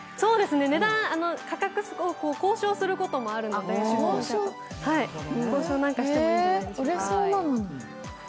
価格を交渉することもあるので、交渉なんかしてもいいんじゃないでしょうか。